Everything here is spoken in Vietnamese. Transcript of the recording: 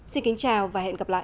xin kính chào và hẹn gặp lại